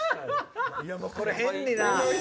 これ変にな。